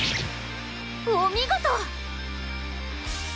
お見事！